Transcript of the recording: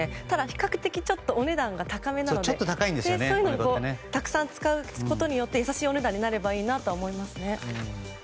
ただ、比較的お値段が高めなのでたくさん使うことによって優しいお値段になればいいなと思いますね。